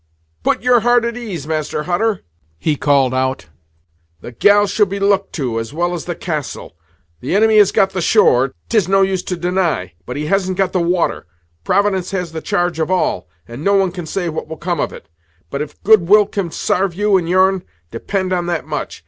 "Put your heart at ease, Master Hutter," he called out; "the gals shall be looked to, as well as the castle. The inimy has got the shore, 'tis no use to deny, but he hasn't got the water. Providence has the charge of all, and no one can say what will come of it; but, if good will can sarve you and your'n, depend on that much.